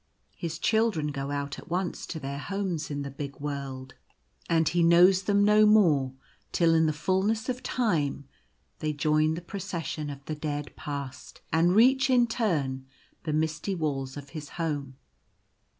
His children go out at once to their homes in the bier world, and he knows At his Task. 79 them no more till, in the fulness of time, they join the Procession of the Dead Past, and reach, in turn, the misty walls of his home.